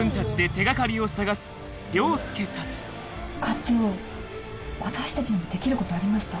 凌介たち課長私たちにできることありました。